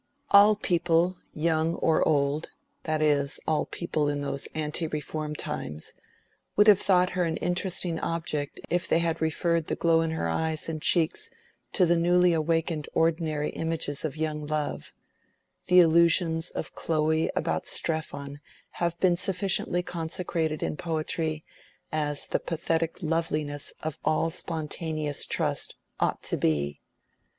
All people, young or old (that is, all people in those ante reform times), would have thought her an interesting object if they had referred the glow in her eyes and cheeks to the newly awakened ordinary images of young love: the illusions of Chloe about Strephon have been sufficiently consecrated in poetry, as the pathetic loveliness of all spontaneous trust ought to be.